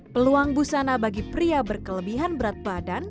peluang busana bagi pria berkelebihan berat badan